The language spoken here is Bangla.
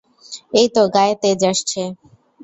এইতো গায়ে তেজ আসছে।